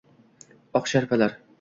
Oq sharpalar